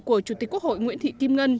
của chủ tịch quốc hội nguyễn thị kim ngân